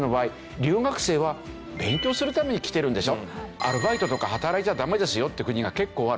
アルバイトとか働いちゃダメですよって国が結構ある。